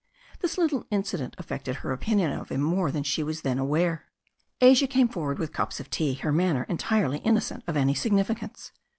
This little incident affected her opinion of him more than she was then aware of. Asia came forward with cups of tea, her manner entirely innocent of any significance.